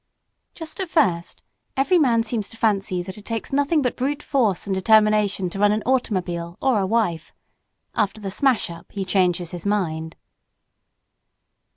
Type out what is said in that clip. Just at first, every man seems to fancy that it takes nothing but brute force and determination to run an automobile or a wife; after the smash up he changes his mind.